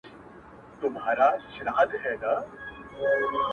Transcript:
پوره اتلس سوه کاله چي خندا ورکړه خو-